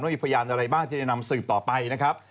มีพยานอะไรบ้างที่จะนำสืบต่อไปนะครับ